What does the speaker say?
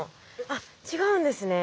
あっ違うんですね。